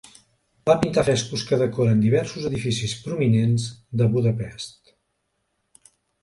Va pintar frescos que decoren diversos edificis prominents de Budapest.